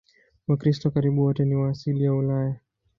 Wakristo karibu wote ni wa asili ya Ulaya.